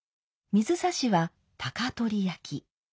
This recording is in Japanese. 水指は高取焼。